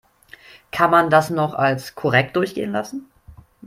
Kann man das noch als korrekt durchgehen lassen?